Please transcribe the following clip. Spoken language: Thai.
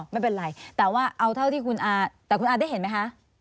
ไม่เป็นไรแต่ว่าเอาเท่าที่คุณอาแต่คุณอาได้เห็นไหมคะ